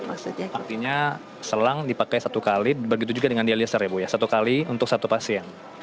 artinya selang dipakai satu kali begitu juga dengan dialiser ya bu ya satu kali untuk satu pasien